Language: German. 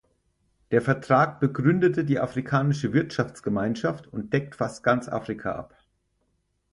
Der Vertrag begründete die Afrikanische Wirtschaftsgemeinschaft und deckt fast ganz Afrika ab.